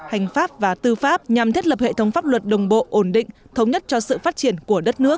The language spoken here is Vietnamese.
hành pháp và tư pháp nhằm thiết lập hệ thống pháp luật đồng bộ ổn định thống nhất cho sự phát triển của đất nước